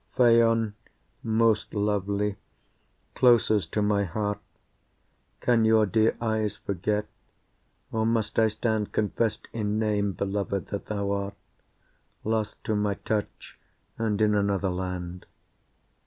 I Phaon, most lovely, closest to my heart, Can your dear eyes forget, or must I stand Confessed in name, beloved that thou art, Lost to my touch and in another land.